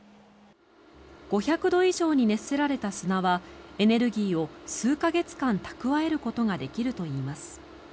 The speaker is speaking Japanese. ５００度以上に熱せされた砂はエネルギーを数か月間蓄えることができるといいます。